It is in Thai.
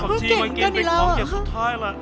เอาผักชีมันเก่งเป็นของเก่งสุดท้ายล่ะ